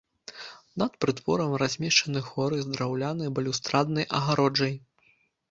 Над прытворам размешчаны хоры з драўлянай балюстраднай агароджай.